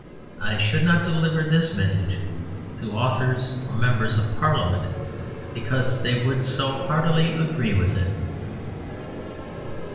I should not deliver this message to authors or members of Parliament, because they would so heartily agree with it.